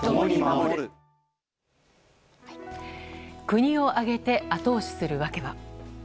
国を挙げて、後押しする訳は？